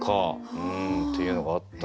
うんっていうのがあったんで。